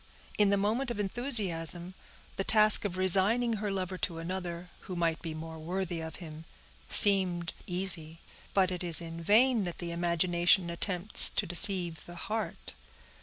In the moment of enthusiasm, the task of resigning her lover to another, who might be more worthy of him, seemed easy; but it is in vain that the imagination attempts to deceive the heart.